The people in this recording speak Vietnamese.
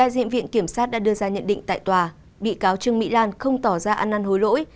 scb đã đưa ra nhận định tại tòa bị cáo trương mỹ lan không tỏ ra ăn ăn hối lỗi